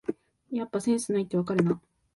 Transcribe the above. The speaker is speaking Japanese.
やっぱセンスないってわかるな